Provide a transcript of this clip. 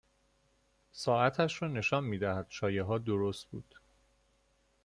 ساعتش را نشان میدهد شایعهها درست بود